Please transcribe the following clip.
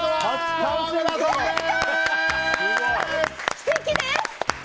奇跡です！